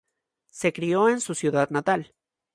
Se crio en su ciudad natal.